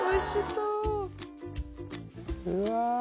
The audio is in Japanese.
うわ！